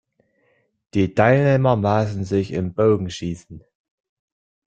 Die Teilnehmer maßen sich im Bogenschießen.